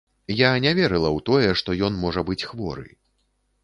Я не верыла ў тое, што ён можа быць хворы.